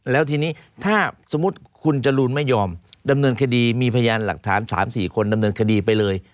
แล้วทีนี้ถ้าสมมุติคุณจรูนไม่ยอมดำเนินคดีมีพยานหลักฐาน๓๔คนดำเนินคดีไปเลย